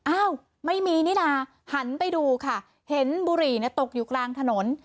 อ้าวไม่มีนี่นะหันไปดูค่ะเห็นบุหรี่ตกอยู่กลางถนน